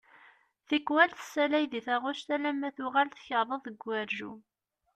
Tikwal tessalay di taɣect alamma tuɣal tkeṛṛeḍ deg ugerjum.